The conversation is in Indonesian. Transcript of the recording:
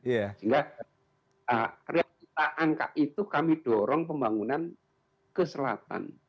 sehingga reaksita angka itu kami dorong pembangunan ke selatan